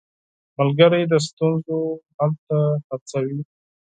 ملګری د ستونزو حل ته هڅوي.